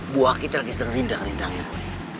buah kita lagi sedang rindang rindang ya bu